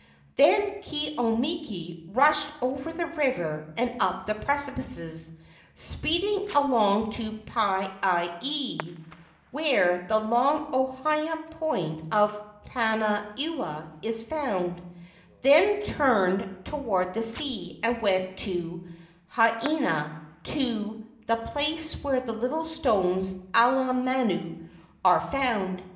Then Ke au miki rushed over the river and up the precipices, speeding along to Pa ai ie, where the long ohia point of Pana ewa is found, then turned toward the sea and went to Haena, to the place where the little stones aala manu are found.